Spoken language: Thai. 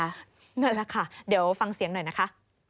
นั่นแหละค่ะเดี๋ยวฟังเสียงหน่อยนะคะ